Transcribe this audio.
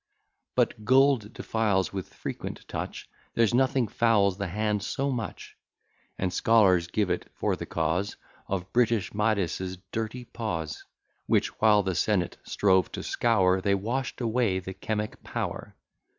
But gold defiles with frequent touch, There's nothing fouls the hand so much; And scholars give it for the cause Of British Midas' dirty paws; Which, while the senate strove to scour, They wash'd away the chemic power.